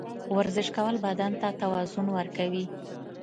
ورزش کول بدن ته توازن ورکوي.